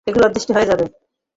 এগুলোও অদৃশ্য হয়ে যাবে?